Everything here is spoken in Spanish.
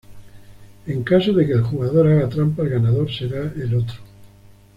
En caso de que el jugador haga trampa el ganador será el otro.